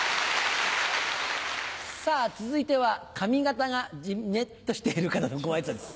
さぁ続いては髪形がジメっとしている方のごあいさつ。